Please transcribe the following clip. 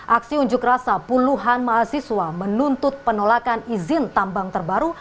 aksi unjuk rasa puluhan mahasiswa menuntut penolakan izin tambang terbaru